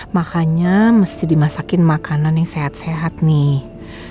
makanya mesti dimasakin makanan yang sehat sehat nih